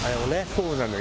そうなの。